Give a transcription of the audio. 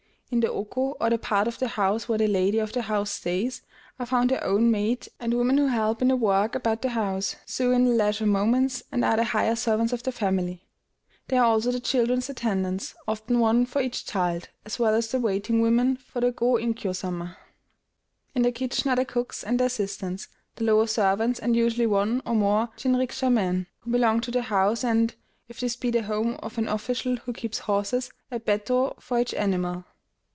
In the oku, or the part of the house where the lady of the house stays, are found her own maid, and women who help in the work about the house, sew in their leisure moments, and are the higher servants of the family; there are also the children's attendants, often one for each child, as well as the waiting women for the Go Inkyo Sama. In the kitchen are the cooks and their assistants, the lower servants, and usually one or more jinrikisha men, who belong to the house, and, if this be the home of an official who keeps horses, a bettō for each animal.